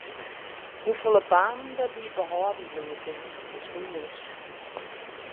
Hoefolle banen dêrby behâlden bliuwe kinne is ûnwis.